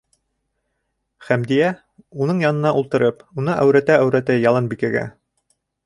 Хәмдиә, уның янына ултырып, уны әүрәтә-әүрәтә, Яланбикәгә: